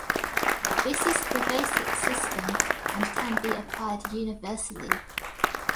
This is the basic system, and can be applied universally.